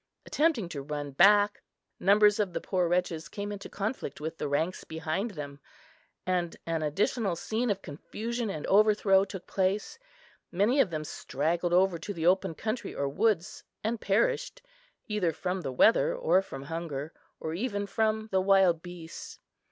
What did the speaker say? Attempting to run back, numbers of the poor wretches came into conflict with the ranks behind them, and an additional scene of confusion and overthrow took place; many of them straggled over to the open country or woods, and perished, either from the weather, or from hunger, or even from the wild beasts.